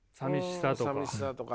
寂しさとかね。